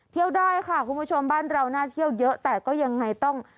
ได้ค่ะคุณผู้ชมบ้านเราน่าเที่ยวเยอะแต่ก็ยังไงต้อง